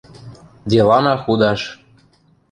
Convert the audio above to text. – Делана худаш...